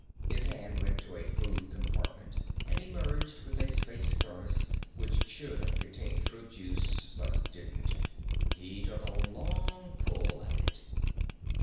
His hand went to a food compartment and emerged with a space thermo which should have contained fruit juice, but didn't. He took a long pull at it.